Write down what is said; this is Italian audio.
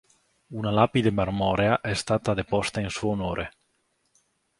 Una lapide marmorea è stata deposta in suo onore.